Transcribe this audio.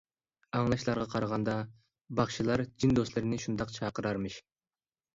ئاڭلاشلارغا قارىغاندا باخشىلار جىن دوستلىرىنى شۇنداق چاقىرارمىش.